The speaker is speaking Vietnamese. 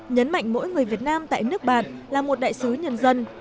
nhấn mạnh mỗi người việt nam tại nước bạn là một đại sứ nhân dân